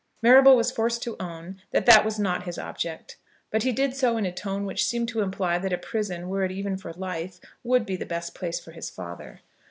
Marrable was forced to own that that was not his object; but he did so in a tone which seemed to imply that a prison, were it even for life, would be the best place for his father.